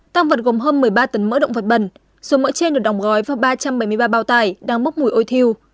tăng vật gồm hơn một mươi ba tấn mỡ động vật bẩn số mỡ trên được đóng gói và ba trăm bảy mươi ba bao tải đang bốc mùi ôi thiêu